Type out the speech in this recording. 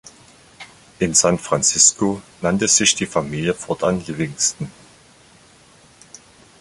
In San Francisco nannte sich die Familie fortan "Livingston".